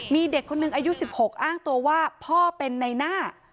มีเด็กคนหนึ่งอายุ๑๖อ้างตัวว่าพ่อเป็นในหน้า